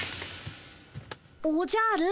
おじゃる。